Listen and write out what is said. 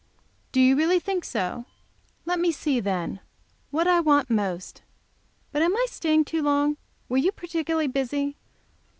"Do you really think so? Let me see, then, what I want most. But I am staying too long. Were you particularly busy?"